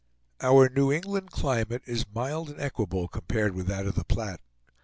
Our New England climate is mild and equable compared with that of the Platte.